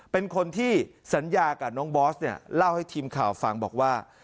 เป็นคนที่สัญญากับน้องบอสเนี่ยเล่าให้ทีมข่าวฟังบอกว่า